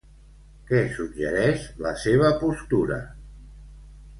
Què suggereix la seva postura?